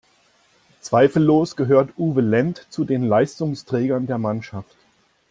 Zweifellos gehört Uwe Lendt zu den Leistungsträgern der Mannschaft.